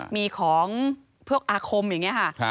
มีของพวกอาคมอย่างนี้ค่ะ